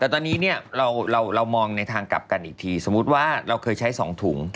แต่ตอนนี้เนี่ยเรามองในทางกลับกันอีกทีสมมุติว่าเราเคยใช้๒ถุง